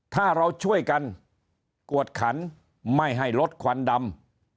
ถ้าเราช่วยกันกวดขันไม่ให้ลดควันดำ